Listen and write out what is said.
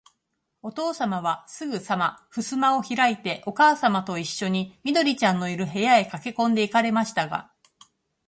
おとうさまは、すぐさまふすまをひらいて、おかあさまといっしょに、緑ちゃんのいる、部屋へかけこんで行かれましたが、